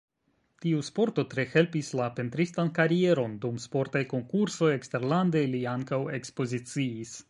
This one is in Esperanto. Tiu sporto tre helpis la pentristan karieron, dum sportaj konkursoj eksterlande li ankaŭ ekspoziciis.